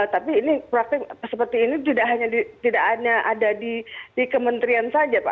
tapi ini praktik seperti ini tidak hanya ada di kementerian saja pak